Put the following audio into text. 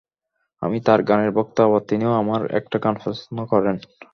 আমি তাঁর গানের ভক্ত, আবার তিনিও আমার একটা গান পছন্দ করেন।